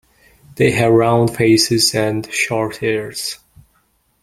They have round faces and short ears.